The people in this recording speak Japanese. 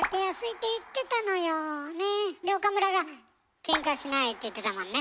で岡村が「ケンカしない」って言ってたもんね。